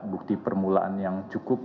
bukti permulaan yang cukup